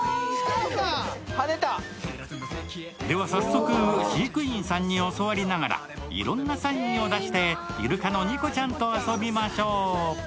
では早速、飼育員さんに教わりながらいろんなサインを出してイルカのニコちゃんと遊びましょう。